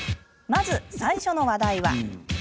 まず、最初の話題は。